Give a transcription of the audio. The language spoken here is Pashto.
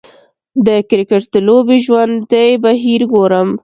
د کریکټ د لوبې ژوندی بهیر ګورم